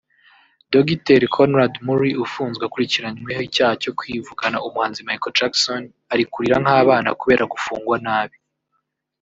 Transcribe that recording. Dogiteri Conrad Murry ufunzwe akurikiranweho icyaho cyo kwivugana umuhanzi Michael Jackson ari kurira nk’abana kubera gufungwa nabi